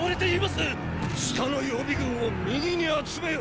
下の予備軍を右に集めよ！